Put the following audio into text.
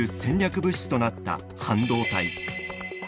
物資となった半導体。